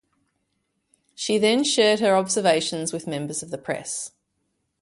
She then shared her observations with members of the press.